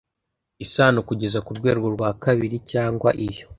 isano kugeza ku rwego rwa kabiri cyangwa iyo